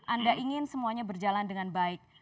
anda ingin semuanya berjalan dengan baik